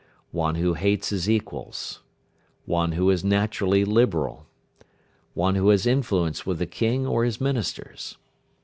One who hates his equals. One who is naturally liberal. One who has influence with the King or his ministers.